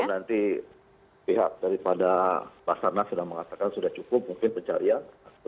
kalo nanti pihak daripada pasar nas sudah mengatakan sudah cukup mungkin pencarian